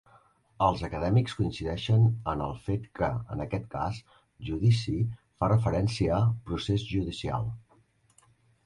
Els acadèmics coincideixen en el fet que, en aquest cas, "judici" fa referència a "procés judicial".